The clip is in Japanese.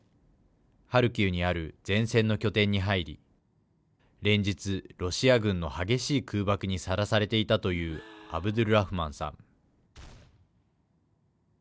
ハルキウにある前線の拠点に入り連日、ロシア軍の激しい空爆にさらされていたというアブドゥルラフマンさん。